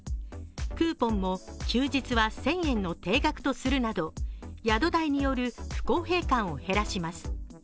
クーポンも休日は１０００円の定額とするなど宿代による不公平感を減らします。